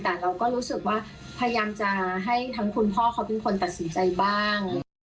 แต่เราก็รู้สึกว่าพยายามจะให้ทั้งคุณพ่อเขาเป็นคนตัดสินใจบ้าง